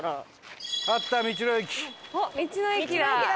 あっ道の駅だ！